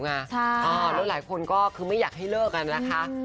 แล้วหลายคนก็คือไม่อยากให้เลิกกันนะคะ